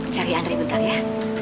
cari andri bentar ya